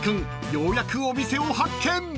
ようやくお店を発見］